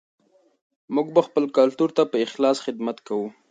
موږ به خپل کلتور ته په اخلاص خدمت کوو.